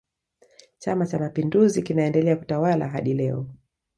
chama cha mapinduzi kinaendelea kutawala hadi leo